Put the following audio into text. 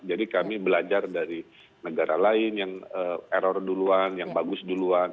jadi kami belajar dari negara lain yang error duluan yang bagus duluan